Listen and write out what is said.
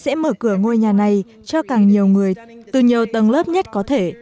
chúng tôi đã hứa rằng sẽ mở cửa ngôi nhà này cho càng nhiều người từ nhiều tầng lớp nhất có thể